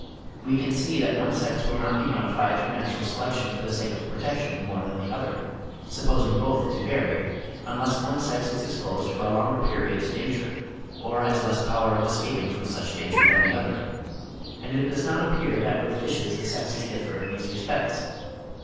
We can see that one sex will not be modified through natural selection for the sake of protection more than the other, supposing both to vary, unless one sex is exposed for a longer period to danger, or has less power of escaping from such danger than the other; and it does not appear that with fishes the sexes differ in these respects.